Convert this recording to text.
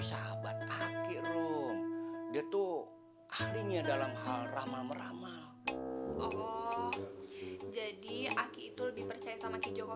sahabat aki rum dia tuh ahlinya dalam hal ramal meramal oh jadi aki itu lebih percaya sama ki joko